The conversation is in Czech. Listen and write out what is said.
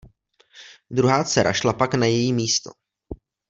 Druhá dcera šla pak na její místo.